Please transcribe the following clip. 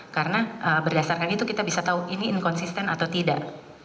karena berdasarkan itu kita bisa tahu ini inkonsisten atau tidak